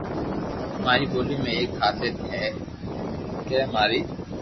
ماري ٻولي ۾ ايڪ خاصيت ھي ڪي ماري